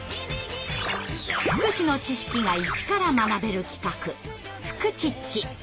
福祉の知識がイチから学べる企画「フクチッチ」。